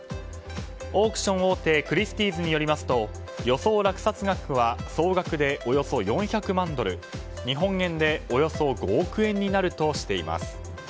オークション大手クリスティーズによりますと予想落札額は総額でおよそ４００万ドル日本円でおよそ５億円になるとしています。